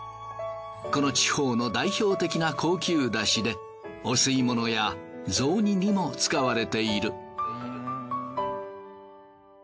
この地方の代表的な高級出汁でお吸い物や雑煮にも使われている。